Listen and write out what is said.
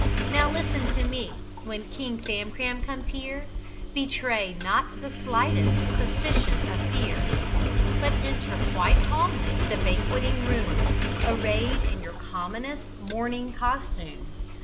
Now listen to me: when King Famcram comes here, Betray not the slightest suspicion of fear, But enter, quite calmly, the banqueting room Arrayed in your commonest morning costume.